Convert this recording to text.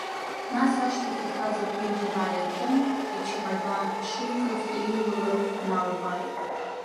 Нас ашьҭахь ихаз аԥенџьыр ааиртын, ичамадан шикыз ииулак дналбааит.